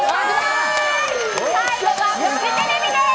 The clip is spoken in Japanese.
最後はフジテレビです。